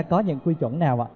có những quy chuẩn nào ạ